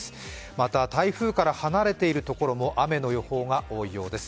また、台風から離れているところでも雨の予報が多いようです。